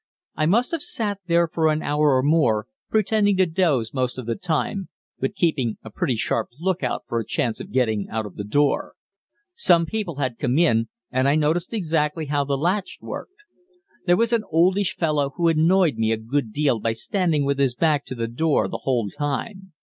I must have sat there for an hour or more pretending to doze most of the time, but keeping a pretty sharp lookout for a chance of getting out of the door. Several people had come in, and I noticed exactly how the latch worked. There was an oldish fellow who annoyed me a good deal by standing with his back to the door the whole time.